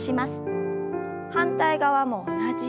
反対側も同じように。